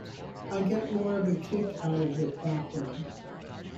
I get more of a kick out of it that way.